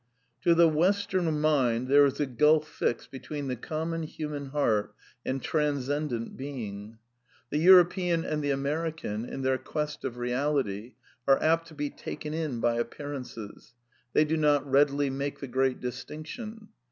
To the Western mind there is a gulf fixed between the common human heart and Transcendent Being. The THE NEW MYSTICISM 275 European and the American, in their quest of Eeality, are apt to be taken in by appearances; they do not readily make the great distinction.